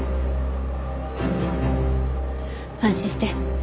安心して。